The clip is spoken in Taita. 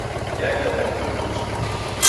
Yaenda ya kirudusu.